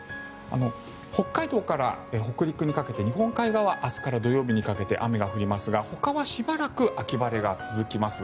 北海道から北陸にかけて日本海側明日から土曜日にかけて雨が降りますが、ほかはしばらく秋晴れが続きます。